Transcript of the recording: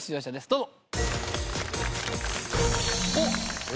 どうぞ。